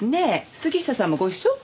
杉下さんもご一緒？